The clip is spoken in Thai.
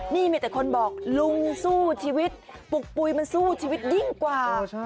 นี่มีแต่คนบอกลุงสู้ชีวิตปลุกปุ๋ยมันสู้ชีวิตยิ่งกว่า